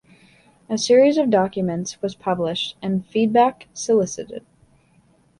A series of documents was published, and feedback solicited.